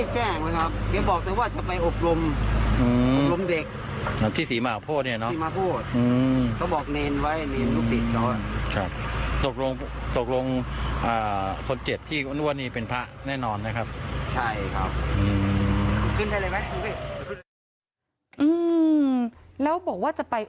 ใช่ครับอือแล้วบอกว่าจะไป